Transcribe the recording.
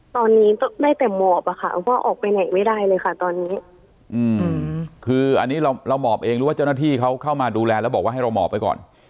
ตอนนี้ได้แต่หมอบอะค่ะว่าออกไปไหนไม่ได้เลยค่ะตอนนี้คืออันนี้เราหมอบเองหรือว่าเจ้าหน้าที่เขาเข้ามาดูแลแล้วบอกว่าให้เราหมอบไปก่อน